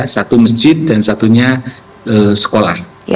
satu masjid dan satunya sekolah